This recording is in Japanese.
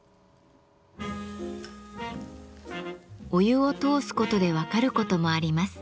お湯を通すことで分かることもあります。